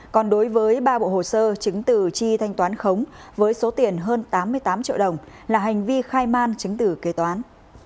còn đối với ba bộ hồ sơ chứng từ chi thanh toán khống với số tiền hơn tám mươi tám triệu đồng là hành vi khai man chứng tử kế toán